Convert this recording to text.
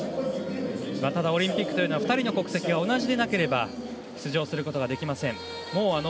ただオリンピックは２人の国籍が同じでないと出場することができません。